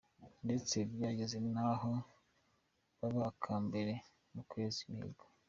Ndetse byageze n’aho kaba aka mbere mu kwesa imihigo.